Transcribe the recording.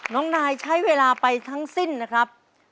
น้องนายใช้เวลาไปทั้งสิ้นนะครับ